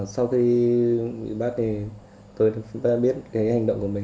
sau khi bị bắt tôi đã biết hành động của mình